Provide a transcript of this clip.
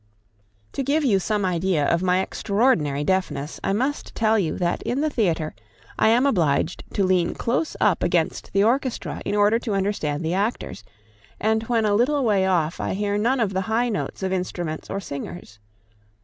To give you some idea of my extraordinary deafness, I must tell you that in the theatre I am obliged to lean close up against the orchestra in order to understand the actors, and when a little way off I hear none of the high notes of instruments or singers.